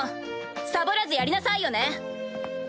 サボらずやりなさいよね。